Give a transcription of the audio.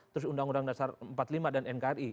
terus undang undang dasar empat puluh lima dan nkri